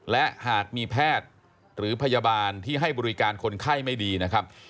และหากมีแพทย์หรือพยาบาลที่ให้บริการคนไข้ไม่ดีนะครับ